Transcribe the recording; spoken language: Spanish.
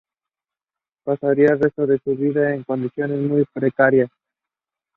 Pasaría el resto de su vida en condiciones muy precarias.